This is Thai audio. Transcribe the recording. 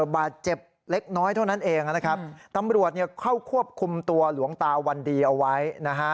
บาดเจ็บเล็กน้อยเท่านั้นเองนะครับตำรวจเนี่ยเข้าควบคุมตัวหลวงตาวันดีเอาไว้นะฮะ